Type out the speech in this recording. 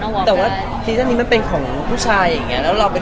แต่ว่าซีซั่นในมันเป็นของผู้ชายอย่างนี้